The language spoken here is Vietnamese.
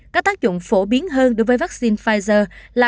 có tác dụng phổ biến hơn đối với vaccine pfizer là